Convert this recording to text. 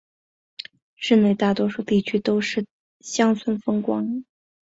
市内大多数地区都是乡村风光。